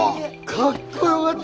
かっこよがった！